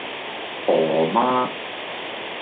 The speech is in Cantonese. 何~~~媽